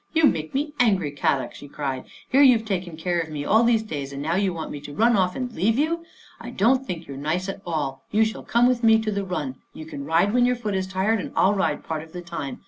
" You make me angry, Kadok," she cried. " Here you've taken care of me all these days and now you want me to run off and leave you ! I don't think you're nice at all. You shall come with me to the run. You can ride when your foot is tired and I'll ride part of the time.